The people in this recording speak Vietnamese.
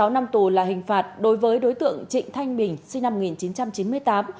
một mươi năm tù là hình phạt đối với đối tượng trịnh thanh bình sinh năm một nghìn chín trăm chín mươi tám